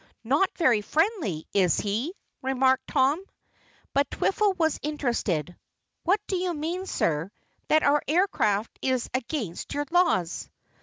"Not very friendly, is he?" remarked Tom. But Twiffle was interested. "What do you mean, sir, that our aircraft is against your laws?"